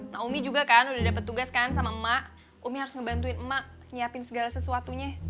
nah umi juga kan udah dapet tugas kan sama emak umi harus ngebantuin emak nyiapin segala sesuatunya